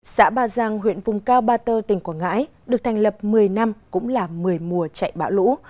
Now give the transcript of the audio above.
xã ba giang huyện vùng cao ba tơ tỉnh quảng ngãi được thành lập một mươi năm cũng là một mươi mùa chạy bão lũ